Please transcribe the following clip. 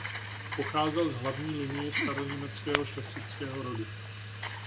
Pocházel z hlavní linie staroněmeckého šlechtického rodu.